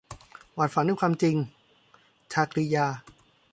วาดฝันด้วยความจริง - ชาครียา